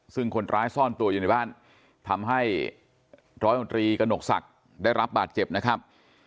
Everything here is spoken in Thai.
ซึ่งคนร้ายซ่อนตัวอยู่ในบ้านทำให้ร้อยมนตรีกระหนกศักดิ์ได้รับบาดเจ็บนะครับ